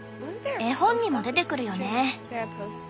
絵本にも出てくるよね？